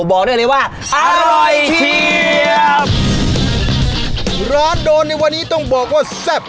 บอกได้เลยว่าอร่อยเชียบร้านโดนในวันนี้ต้องบอกว่าแซ่บ